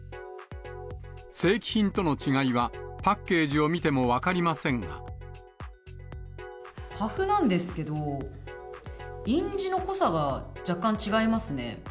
正規品との違いは、パッケーパフなんですけど、印字の濃さが若干違いますね。